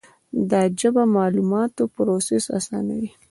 دا ژبه د معلوماتو پروسس آسانوي.